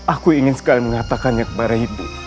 aku ingin sekali mengatakannya kepada ibu